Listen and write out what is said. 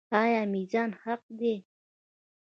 آیا میزان حق دی؟